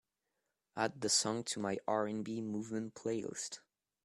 Add the song to my R&B Movement playlist.